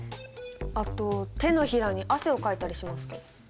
あと手のひらに汗をかいたりしますけど。